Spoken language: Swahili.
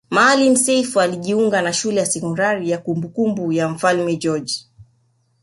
Maalim Self alijiunga na shule ya sekondari ya kumbukumbu ya mfalme George